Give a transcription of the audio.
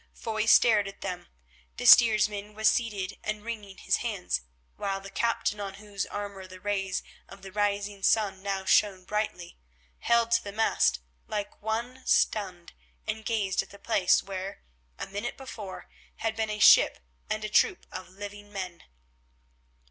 Foy stared at them. The steersman was seated and wringing his hands, while the captain, on whose armour the rays of the rising sun now shone brightly, held to the mast like one stunned, and gazed at the place where, a minute before, had been a ship and a troop of living men.